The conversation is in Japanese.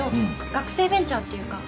学生ベンチャーっていうか。